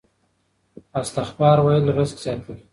استغفار ویل رزق زیاتوي.